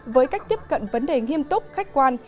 với cách tiếp cận vấn đề nghiêm túc khách quan